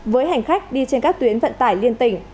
với hành khách đi trên các tuyến vận tải liên tỉnh